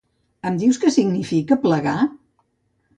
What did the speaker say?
Em dius què significa plegar?